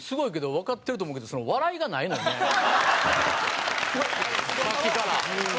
わかってると思うけどさっきから。